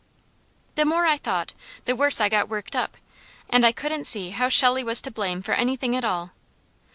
The more I thought, the worse I got worked up, and I couldn't see how Shelley was to blame for anything at all.